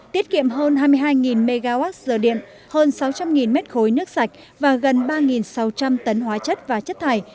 tiết kiệm hơn hai mươi hai mw giờ điện hơn sáu trăm linh m ba nước sạch và gần ba sáu trăm linh tấn hóa chất và chất thải